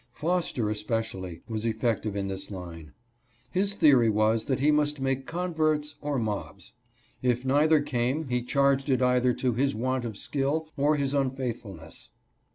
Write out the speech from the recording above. Foster, especially, was effective in this line. His theory was that he must make converts or mobs. If neither came he charged it either to his want of skill or his unfaithfulness.